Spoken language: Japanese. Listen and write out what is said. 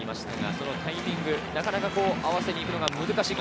そのタイミングをなかなか合わせに行くのが難しい。